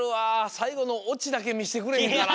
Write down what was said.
さいごのオチだけみしてくれへんかな？